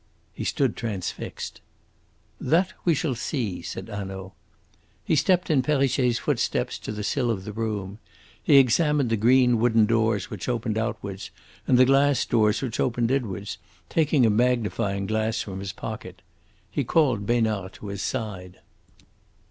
He stood transfixed. "That we shall see," said Hanaud. He stepped in Perrichet's footsteps to the sill of the room. He examined the green wooden doors which opened outwards, and the glass doors which opened inwards, taking a magnifying glass from his pocket. He called Besnard to his side.